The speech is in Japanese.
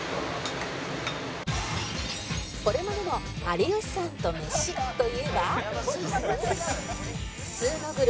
これまでの有吉さんとメシといえば